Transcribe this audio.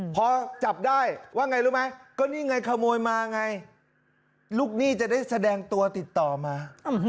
พอจับได้ว่าไงรู้ไหมก็นี่ไงขโมยมาไงลูกหนี้จะได้แสดงตัวติดต่อมา